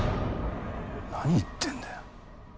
何言ってんだよ。